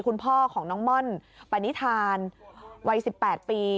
คุณพ่อของน้องม่อนปณิธานวัย๑๘ปี